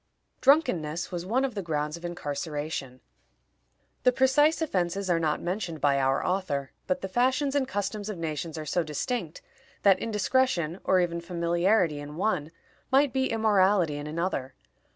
Drunkenness was one of the grounds of incarceration. The precise offenses are not mentioned by our author, but the fashions and customs of nations are so distinct, that indiscretion, or even familiarity in one, might be immorality in another.